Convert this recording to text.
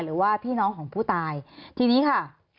หรือว่าพี่น้องของผู้ตายทีนี้ค่ะ